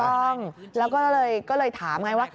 ถูกต้องแล้วก็เลยถามไงว่า